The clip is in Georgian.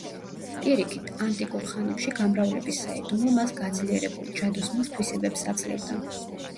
პირიქით, ანტიკურ ხანებში გამრავლების საიდუმლო მას გაძლიერებულ, ჯადოსნურ თვისებებს აძლევდა.